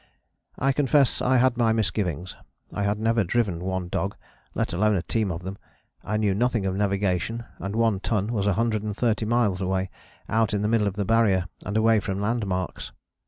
I confess I had my misgivings. I had never driven one dog, let alone a team of them; I knew nothing of navigation; and One Ton was a hundred and thirty miles away, out in the middle of the Barrier and away from landmarks.